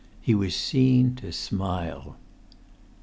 He was seen to smile.